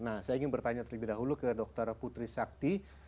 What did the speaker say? nah saya ingin bertanya terlebih dahulu ke dr putri sakti